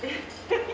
えっ！？